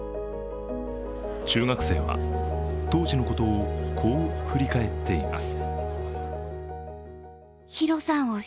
中学生は、当時のことをこう振り返っています。